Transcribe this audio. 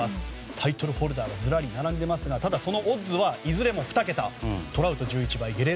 タイトルホルダーがずらりと並んでいますがただ、そのオッズはいずれも２桁。